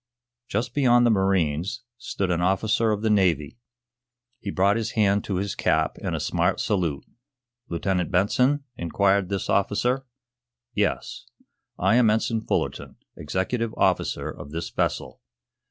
Just beyond the marines, stood an officer of the Navy. He brought his hand to his cap in a smart salute. "Lieutenant Benson?" inquired this officer. "Yes." "I am Ensign Fullerton, executive officer of this vessel."